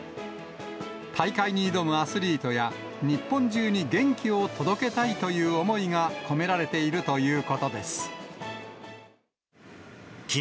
大会に挑むアスリートや、日本中に元気を届けたいという思いが込められているということです。